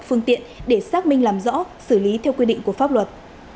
phương tiện để xác minh làm rõ xử lý theo quy định của pháp luật